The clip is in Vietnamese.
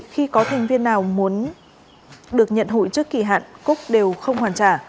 khi có thành viên nào muốn được nhận hụi trước kỳ hạn cúc đều không hoàn trả